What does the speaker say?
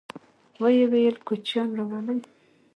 ويې ويل: کوچيان راولئ!